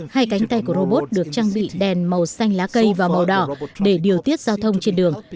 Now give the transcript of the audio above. hai cánh tay của robot được trang bị đèn màu xanh lá cây và màu đỏ để điều tiết giao thông trên đường